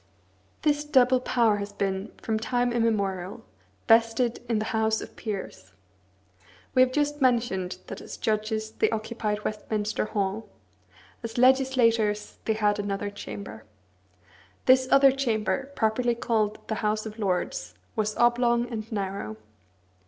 This double power has been, from time immemorial, vested in the House of Peers. We have just mentioned that as judges they occupied Westminster Hall; as legislators, they had another chamber. This other chamber, properly called the House of Lords, was oblong and narrow.